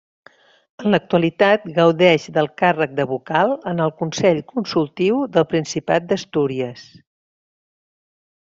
En l'actualitat gaudeix del càrrec de vocal en el Consell Consultiu del Principat d'Astúries.